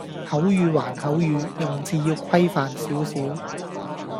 口語還口語，用字要規範少少